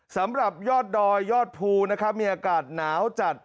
สำหรับยอดดอยยอดภูเมียอากาศหนาวจัด